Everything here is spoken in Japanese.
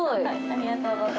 ありがとうございます。